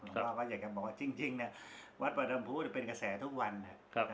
ครับก็อยากจะบอกว่าจริงจริงเนี่ยวัดประดำภูมิจะเป็นกระแสทุกวันครับ